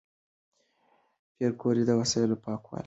پېیر کوري د وسایلو پاکوالي یقیني کړ.